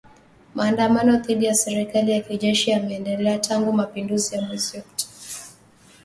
Maandamano dhidi ya serikali ya kijeshi yameendelea tangu mapinduzi ya mwezi wa Oktoba